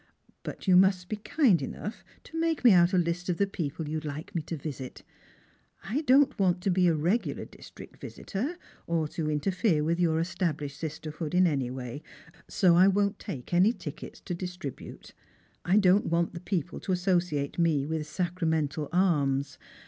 But you must be kind enough to make me out a list of the people you'd like me to visit. I don't want to be a regular district visitor, or to interfere with your established sisterhood in any way; so I won't take any tickets to distribute. I don't Avant the people to associate me with sacramental alms.